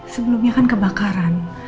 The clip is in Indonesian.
sebelumnya kan kebakaran